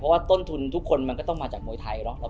ผมปรับได้เร็ว